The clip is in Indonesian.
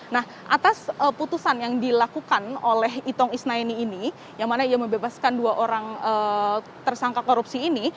nah atas putusan yang dilakukan oleh itong isnaini ini yang mana ia membebaskan dua orang tersangka korupsi ini